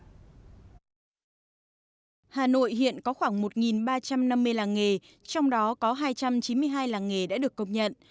hà nội hiện có khoảng một ba trăm năm mươi làng nghề trong đó có hai trăm chín mươi hai làng nghề đã được công nhận